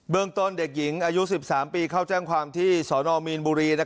ต้นเด็กหญิงอายุ๑๓ปีเข้าแจ้งความที่สนมีนบุรี